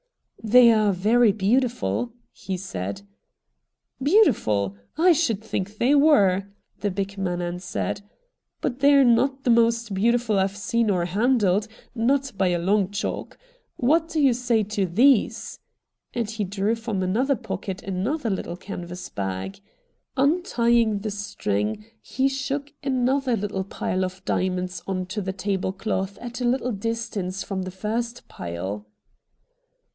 ' They are very beautiful,' he said. ' Beautiful ! I should think they were,' the big man answered. ' But they're not the most beautiful I've seen or handled, not by a long chalk. What do you say to these ?' and he drew from another pocket another little canvas bag. Untying the string he shook another little pile of diamonds on to the table cloth at a little distance from the first pile.